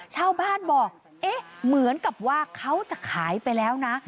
ชาวบ้านบอกเอ๊ะเหมือนกับว่าเขาจะขายไปแล้วนะ